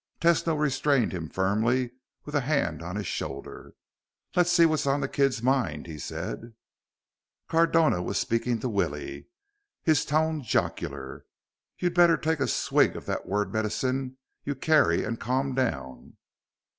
Tesno restrained him firmly with a hand on his shoulder. "Let's see what's on the kid's mind," he said. Cardona was speaking to Willie, his tone jocular. "You better take a swig of that word medicine you carry and calm down."